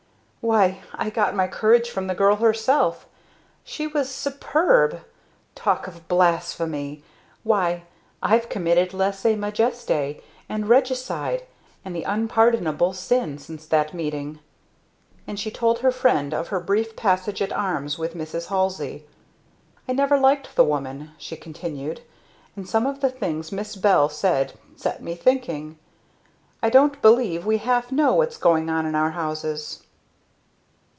"Why I got my courage from the girl herself. She was superb! Talk of blasphemy! Why I've committed lese majeste and regicide and the Unpardonable Sin since that meeting!" And she told her friend of her brief passage at arms with Mrs. Halsey. "I never liked the woman," she continued; "and some of the things Miss Bell said set me thinking. I don't believe we half know what's going on in our houses."